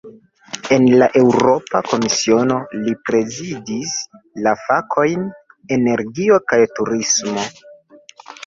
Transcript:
En la Eŭropa Komisiono, li prezidis la fakojn "energio kaj turismo".